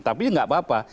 tapi tidak apa apa